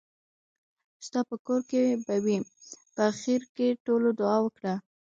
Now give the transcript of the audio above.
ستاپه کور کې به وي. په اخېر کې ټولو دعا وکړه .